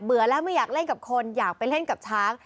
แล้วไม่อยากเล่นกับคนอยากไปเล่นกับช้าง